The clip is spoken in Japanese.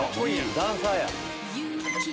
ダンサーや。